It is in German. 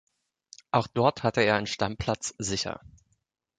Auch dort hatte er einen Stammplatz sicher.